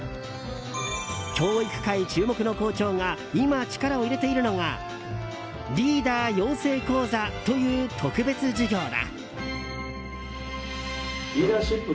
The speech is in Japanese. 教育界注目の校長が今、力を入れているのがリーダー養成講座という特別授業だ。